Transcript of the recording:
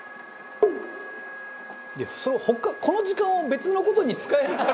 「この時間を別の事に使えるから」